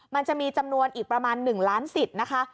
มันจะมีจำนวนอีกประมาณ๑ล้านสิทธิ์นะคะ